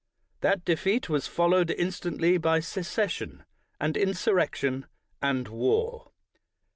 That defeat was followed instantly by secession, and insurrection, and war.